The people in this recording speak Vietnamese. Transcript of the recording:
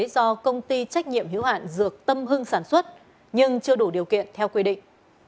do công ty trách nhiệm hữu hạn dược tâm hưng sản xuất nhưng chưa đủ điều kiện theo quy định